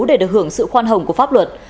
để được hưởng sự khoan hồng của pháp luật